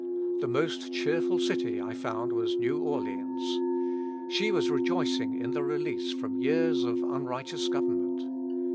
The most cheerful city, I found, was New Orleans. She was rejoicing in the release from years of unrighteous government.